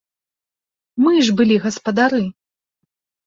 Мы ж былі гаспадары!